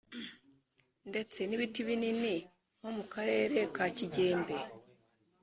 ndetse n ibiti binini nko mu karere ka Kigembe